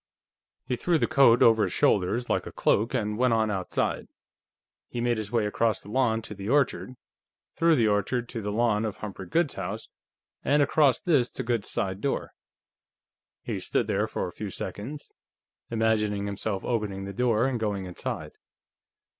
He threw the coat over his shoulders like a cloak, and went on outside. He made his way across the lawn to the orchard, through the orchard to the lawn of Humphrey Goode's house, and across this to Goode's side door. He stood there for a few seconds, imagining himself opening the door and going inside.